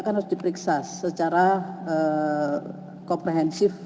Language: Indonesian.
kan harus diperiksa secara komprehensif